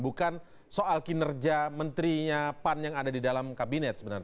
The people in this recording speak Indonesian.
bukan soal kinerja menterinya pan yang ada di dalam kabinet sebenarnya